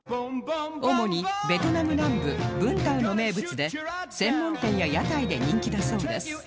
主にベトナム南部ブンタウの名物で専門店や屋台で人気だそうです